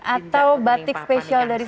atau batik spesial dari